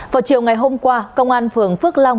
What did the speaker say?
vào chiều ngày hôm qua công an phường phước long